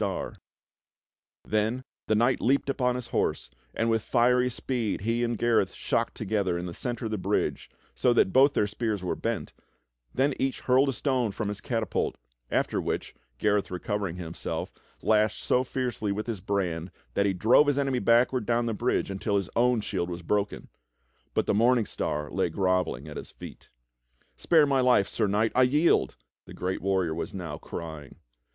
46 THE STORY OF KING ARTHUR Then the knight leaped upon his horse, and wdth fiery speed he and Gareth shocked together in the centre of the bridge so that both their spears were bent, then each hurled a stone from his catapult, after which, Gareth recovering himself lashed so fiercely with his brand that he drove his enemy backward down the bridge until his own shield was broken — but the Morning Star lay grovelling at his feet. " Spare my life. Sir Knight, I yield !" the great warrior was nowcrying.